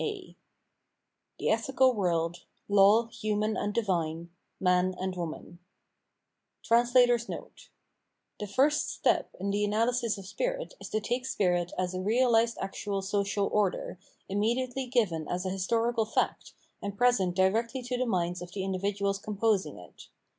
a The Ethical World : Law Human and Divine : Man and Woman [The first step in the analysis of spirit is to take spirit as a realised actual social order, immediately given as a historical fact^ and present directly to the minds of the individuals composing it.